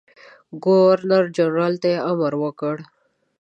ګورنرجنرال ته یې امر وکړ.